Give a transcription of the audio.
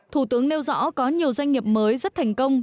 thủ tướng nêu rõ có nhiều doanh nghiệp mới rất thành công